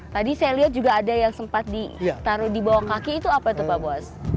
tadi saya lihat juga ada yang sempat ditaruh di bawah kaki itu apa itu pak bos